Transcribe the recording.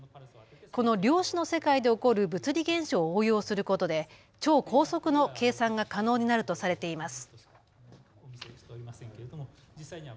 この量子の世界で起こる物理現象を応用することで超高速の計算が可能になるとされています。